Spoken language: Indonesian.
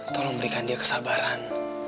tolong berikan dia kesabaran